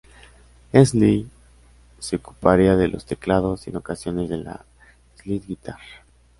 Hensley se ocuparía de los teclados, y en ocasiones de la slide guitar.